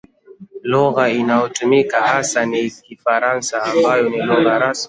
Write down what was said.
Lugha inayotumika hasa ni Kifaransa ambayo ni lugha rasmi.